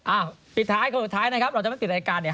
ปิดท้ายคนสุดท้ายนะครับเราจะไม่ปิดรายการเนี่ย